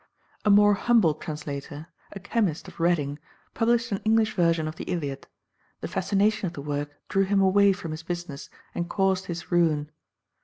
A more humble translator, a chemist of Reading, published an English version of the Iliad. The fascination of the work drew him away from his business, and caused his ruin.